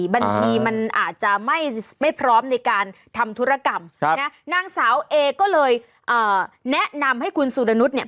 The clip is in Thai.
บัญชีมันอาจจะไม่พร้อมในการทำธุรกรรมนางสาวเอก็เลยแนะนำให้คุณสุรนุษย์เนี่ย